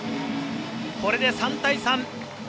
これで３対３。